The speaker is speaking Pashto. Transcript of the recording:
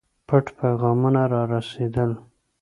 پټ پیغامونه را رسېدل.